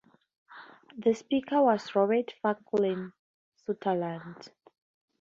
The Speaker was Robert Franklin Sutherland.